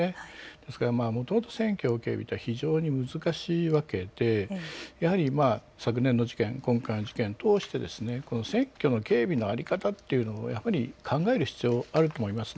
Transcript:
ですからもともと、難しいわけで昨年の事件、今回の事件として選挙の警備の在り方というのをやはり考える必要があると思います。